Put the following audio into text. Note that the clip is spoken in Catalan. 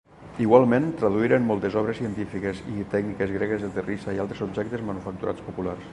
Igualment, traduïren moltes obres científiques i tècniques gregues de terrissa i altres objectes manufacturats populars.